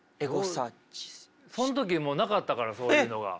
その時もうなかったからそういうのが。